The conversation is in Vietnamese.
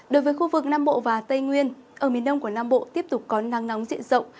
đối với khu vực nam bộ và tây nguyên ở miền đông của nam bộ tiếp tục có nắng nóng diện rộng